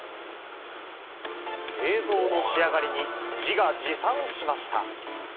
映像の仕上がりに自画自賛しました。